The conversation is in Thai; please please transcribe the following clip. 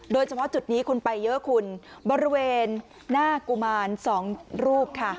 โดยเฉพาะจุดนี้คนไปเยอะคุณบริเวณหน้ากุมารสองรูปค่ะ